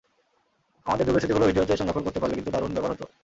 আমাদের যুগের স্মৃতিগুলো ভিডিওতে সংরক্ষণ করতে পারলে কিন্তু দারুণ ব্যাপার হতো।